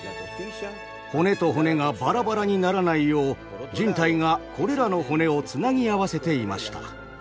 骨と骨がバラバラにならないようじん帯がこれらの骨をつなぎ合わせていました。